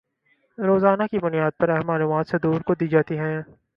روزانہ کی بنیاد پر اہم معلومات صدور کو دی جاتی تھیں